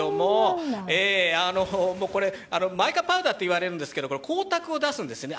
まいかパウダーと言われるんですけど、光沢を出すんですね。